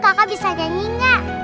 kakak bisa nyanyi gak